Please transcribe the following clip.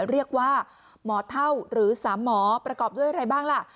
เรียกว่าหมอเท่าหรือสามหมอประกอบด้วยอะไรบ้างล่ะ